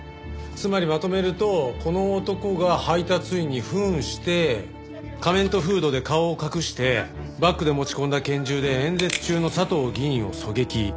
つまりまとめるとこの男が配達員に扮して仮面とフードで顔を隠してバッグで持ち込んだ拳銃で演説中の佐藤議員を狙撃。